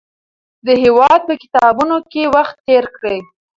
د هېواد په کتابتونونو کې وخت تېر کړئ.